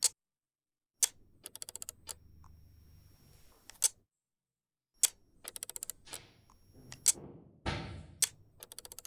Ты пойми, его вид физически действует на меня, я выхожу из себя.